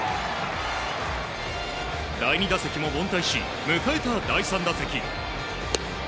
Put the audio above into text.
第２打席も凡退し迎えた第３打席。